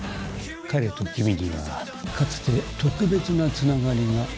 彼と君にはかつて特別な繋がりがあったようだね。